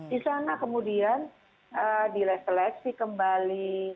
di sana kemudian direseleksi kembali